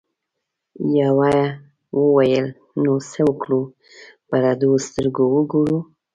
یوه وویل نو څه وکړو په رډو سترګو وګورو؟